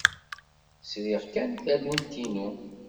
Sriɣ kan tallunt-inu.